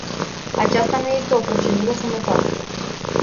Aceasta nu este o procedură sănătoasă.